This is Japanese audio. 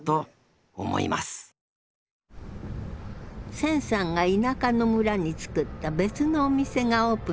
銭さんが田舎の村に作った別のお店がオープンしたみたい。